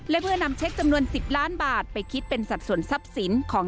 และเพื่อนำเช็คจำนวน๑๐ล้านบาทไปคิดเป็นสัดส่วนทรัพย์สินของ